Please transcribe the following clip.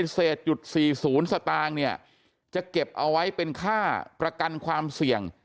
เศษ๔๐สตางค์จะเก็บไว้เป็นค่าประกันความเสี่ยง